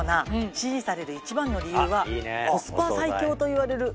支持される一番の理由はコスパ最強といわれるその安さ。